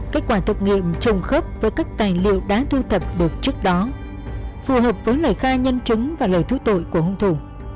kết quả thực nghiệm trùng khớp với các tài liệu đã thu thập được trước đó phù hợp với lời khai nhân chứng và lời thu tội của hung thủ